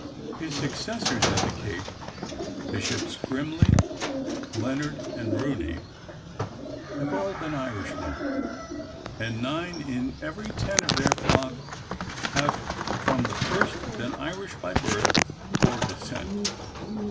His successors at the Cape, Bishops Grimley, Leonard, and Rooney, have all been Irishmen, and nine in every ten of their flock have from the first been Irish by birth or descent.